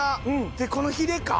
でこのフィレか？